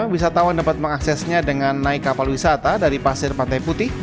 wisatawan dapat mengaksesnya dengan naik kapal wisata dari pasir pantai putih